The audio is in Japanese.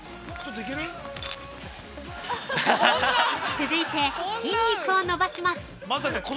◆続いて筋肉を伸ばします。